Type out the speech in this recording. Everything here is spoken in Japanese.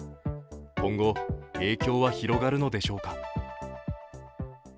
今後、影響は広がるのでしょうか。